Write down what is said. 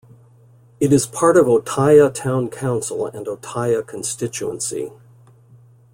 It is part of Othaya town council and Othaya Constituency.